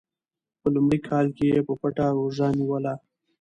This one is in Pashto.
په لومړي کال کې یې په پټه روژه نیوله.